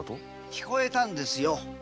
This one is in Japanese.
聞こえたんですよ。